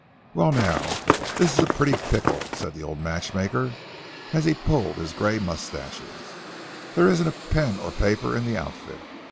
"Well, now, this is a pretty pickle," said the old matchmaker, as he pulled his gray mustaches; "there isn't pen or paper in the outfit.